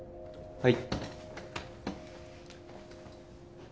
はい？